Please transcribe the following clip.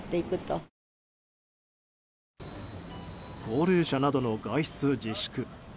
高齢者などの外出自粛。